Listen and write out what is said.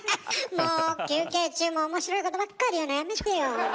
もう休憩中も面白いことばっかり言うのやめてよ。